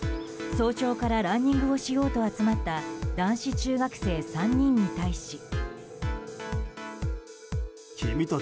早朝からランニングをしようと集まった男子中学生３人に対し。